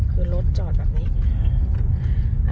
คือรถจอดแบบนี้